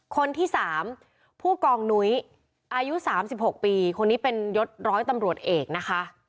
คนที่๓ผู้กองนุ้ยอายุ๓๖ปีคนนี้เป็นยศร้อยตำรวจเอกนะคะ